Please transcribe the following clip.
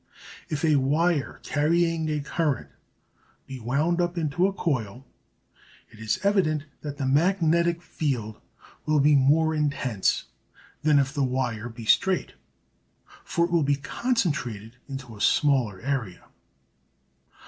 If a wire carrying a current be wound up into a coil it is evident that the magnetic field will be more intense than if the wire be straight, for it will be concentrated into a smaller area.